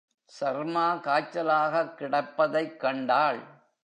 சர்மா காய்ச்சலாகக் கிடப்பதைக் கண்டாள்.